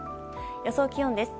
予想気温です。